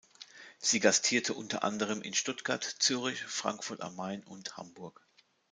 Sie gastierte unter anderem in Stuttgart, Zürich, Frankfurt am Main und Hamburg.